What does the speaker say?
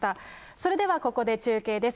それではここで中継です。